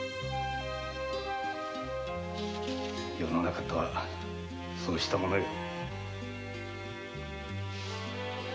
世の中とはそうしたものよ。